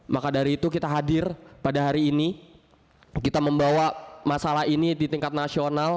maka dari itu kita hadir pada hari ini kita membawa masalah ini di tingkat nasional